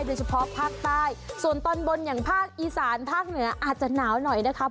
โดยเฉพาะภาคใต้ส่วนตอนบนอย่างภาคอีสานภาคเหนืออาจจะหนาวหน่อยนะคะ